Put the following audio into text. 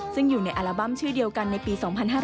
ซึ่งอยู่ในอัลบั้มชื่อเดียวกันในปี๒๕๕๙